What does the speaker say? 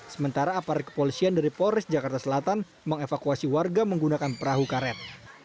sementara aparat kepolisian dari polres jakarta selatan mengevakuasi warga menggunakan perahu karet